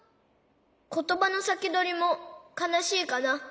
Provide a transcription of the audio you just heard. ことばのさきどりもかなしいかな。